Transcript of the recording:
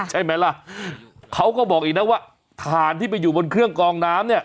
ใช่ไหมล่ะเขาก็บอกอีกนะว่าถ่านที่ไปอยู่บนเครื่องกองน้ำเนี่ย